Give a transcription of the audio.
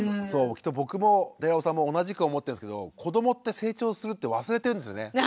そうきっと僕も寺尾さんも同じく思ってるんですけども子どもって成長するって忘れてるんですよね。